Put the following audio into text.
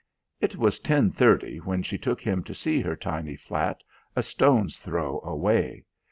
It was ten thirty when she took him to see her tiny flat a stone's throw away.